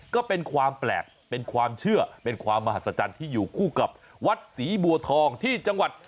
ก็เป็นความแปลกเป็นความเชื่อเป็นความมหัศจรรย์ที่อยู่คู่กับวัดศรีบัวทองที่จังหวัด